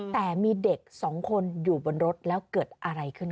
แต่มีเด็กสองคนอยู่บนรถแล้วเกิดอะไรขึ้นค่ะ